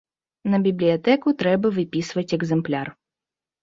На бібліятэку трэба выпісваць экзэмпляр.